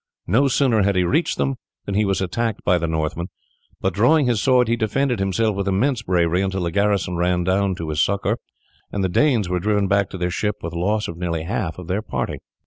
No sooner had he reached them than he was attacked by the Northmen, but drawing his sword he defended himself with immense bravery until the garrison ran down to his succour, and the Danes were driven back to their ship with loss of nearly half of their party.